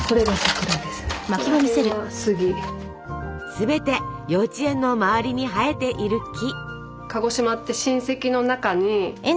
全て幼稚園の周りに生えている木。